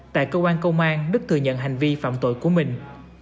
tại cơ quan công an đức thừa nhận hành vi phạm tội của mình